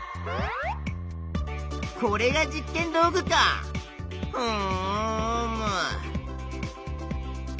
これが実験道具かふむ！